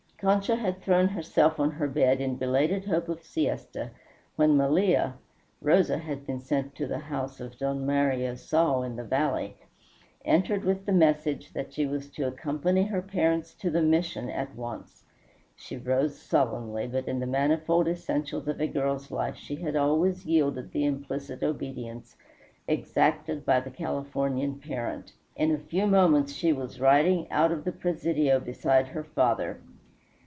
Concha had thrown herself on her bed in belated hope of siesta, when Malia (Rosa had been sent to the house of Don Mario Sal in the valley) entered with the message that she was to accompany her parents to the Mission at once. She rose sullenly, but in the manifold essentials of a girl's life she had always yielded the implicit obedience exacted by the Californian parent. In a few moments she was riding out of the Presidio beside her father.